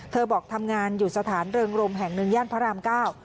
บอกทำงานอยู่สถานเริงรมแห่งหนึ่งย่านพระรามเก้า